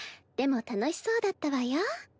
でも楽しそうだったわよ。